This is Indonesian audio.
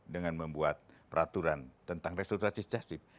dengan membuat peraturan tentang resultasi cahsib